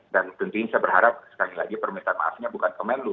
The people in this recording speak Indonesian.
dan tentunya saya berharap sekali lagi permintaan maafnya bukan ke melu